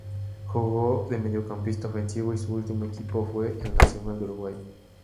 Jugó de mediocampista ofensivo y su último equipo fue el Nacional de Uruguay.